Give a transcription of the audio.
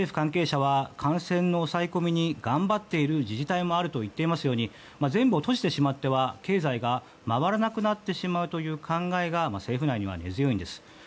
政府関係者は感染の抑え込みに頑張っている自治体もあると言っていますように全部を閉じてしまっては経済が回らなくなってしまうという考えが根強いんです。